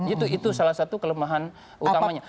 itu salah satu kelemahan utamanya